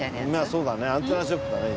そうだねアンテナショップだね。